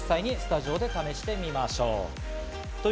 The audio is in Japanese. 実際にスタジオで試してみましょう。